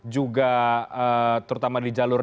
juga terutama di jalur